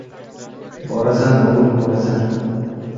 — Borasan, o‘g‘lim, borasan.